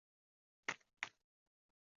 金川三角城遗址的历史年代为青铜时代。